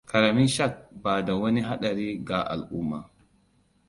Ƙaramin shark ba da wani haɗari ga alu'uma.